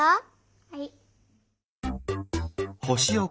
はい。